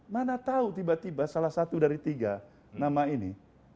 mana tahu tiba tiba salah satu dari tiga nama ini